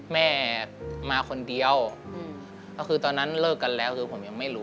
แม่มาคนเดียวก็คือตอนนั้นเลิกกันแล้วคือผมยังไม่รู้